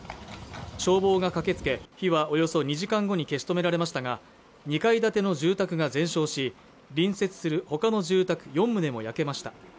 消防が駆けつけ火はおよそ２時間後に消し止められましたが２階建ての住宅が全焼し隣接するほかの住宅四棟も焼けました